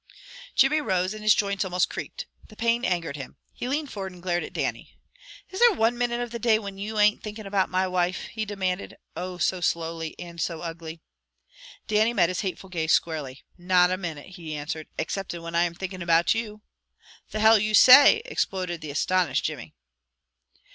Jimmy rose, and his joints almost creaked. The pain angered him. He leaned forward and glared at Dannie. "Is there one minute of the day whin you ain't thinkin' about my wife?" he demanded, oh, so slowly, and so ugly! Dannie met his hateful gaze squarely. "Na a minute," he answered, "excepting when I am thinking about ye." "The Hell you say!" exploded the astonished Jimmy.